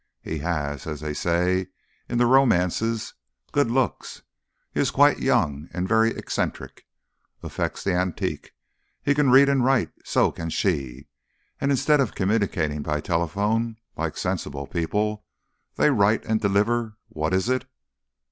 He has as they say in the romances good looks. He is quite young and very eccentric. Affects the antique he can read and write! So can she. And instead of communicating by telephone, like sensible people, they write and deliver what is it?"